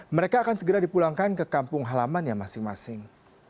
mereka akan segera dipulangkan ke kampung halaman yang masing masing